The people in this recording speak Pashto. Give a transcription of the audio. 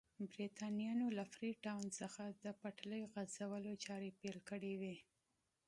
برېټانویانو له فري ټاون څخه د پټلۍ غځولو چارې پیل کړې وې.